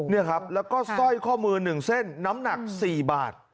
นี่ครับแล้วก็สร้อยข้อมือ๑เส้นน้ำหนัก๔บาท